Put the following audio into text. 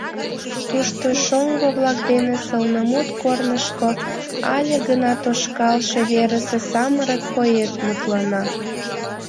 Тыште шоҥго-влак дене сылнымут корнышко але гына тошкалше верысе самырык поэт мутлана